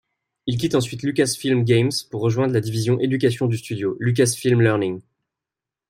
Il quitte ensuite Lucasfilm Games pour rejoindre la division éducation du studio, Lucasfilm Learning.